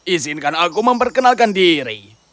izinkan aku memperkenalkan diri